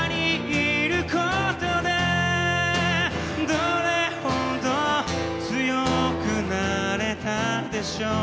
「どれほど強くなれたでしょう」